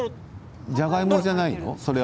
じゃがいもじゃないの？